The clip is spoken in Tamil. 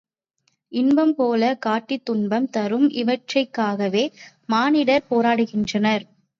இன்பம் போலக் காட்டித் துன்பம் தரும் இவற்றிற்காகவே மானிடர் போராடுகின்றனர்.